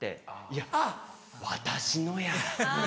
いや私のや！